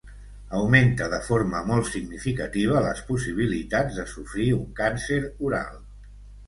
Augmenta de forma molt significativa les possibilitats de sofrir un càncer oral.